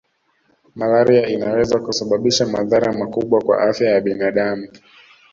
Malaria inaweza kusababisha madhara makubwa kwa afya ya binadamu